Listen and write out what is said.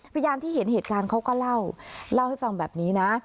พยานที่เห็นเหตุการณ์เขาก็เล่าเล่าให้ฟังแบบนี้นะ